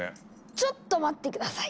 ちょっと待って下さい。